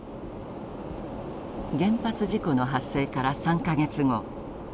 原発事故の発生から３か月後。